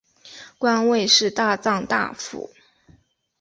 官位是大藏大辅。